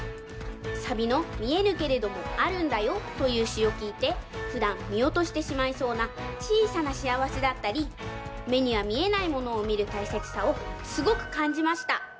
サビの「見えぬけれどもあるんだよ」というしをきいてふだんみおとしてしまいそうなちいさなしあわせだったりめにはみえないものをみるたいせつさをすごくかんじました。